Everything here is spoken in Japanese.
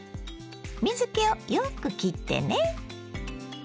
水けをよくきってね。